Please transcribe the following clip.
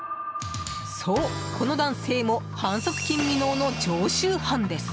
そう、この男性も反則金未納の常習者です。